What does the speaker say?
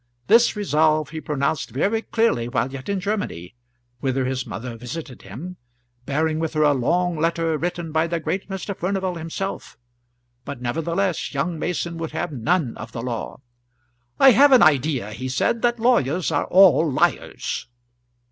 This resolve he pronounced very clearly while yet in Germany, whither his mother visited him, bearing with her a long letter written by the great Mr. Furnival himself. But nevertheless young Mason would have none of the law. "I have an idea," he said, "that lawyers are all liars."